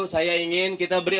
saya ingin kita berkata